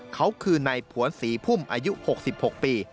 เขาคือนายผวนศรีพุ่มอายุ๖๖ปี